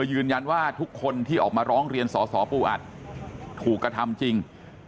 ยืนยันว่าทุกคนที่ออกมาร้องเรียนสสปูอัดถูกกระทำจริง